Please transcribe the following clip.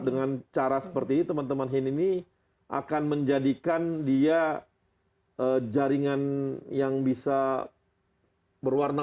dengan cara seperti ini teman teman hin ini akan menjadikan dia jaringan yang bisa berwarna